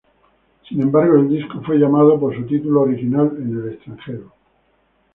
Sin embargo, el disco fue llamado por su título original en el extranjero.